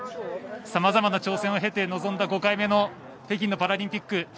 さまざまな挑戦を経て臨んだ５回目の北京パラリンピック。